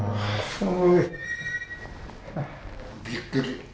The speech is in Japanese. すごい。びっくり。